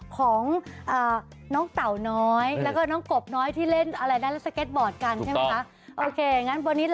ของน้องเต่าน้อยและก็น้องกบน้อยที่เร่นอะไรว่าสเก็ตบอร์ด